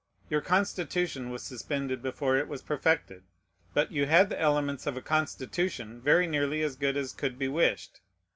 Your Constitution was suspended before it was perfected; but you had the elements of a Constitution very nearly as good as could be wished.